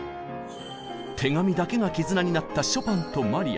手紙だけが絆になったショパンとマリア。